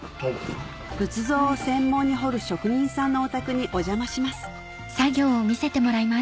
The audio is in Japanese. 仏像を専門に彫る職人さんのお宅にお邪魔します